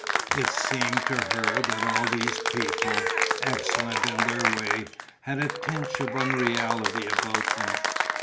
It seemed to her that all these people, excellent in their way, had a tinge of unreality about them.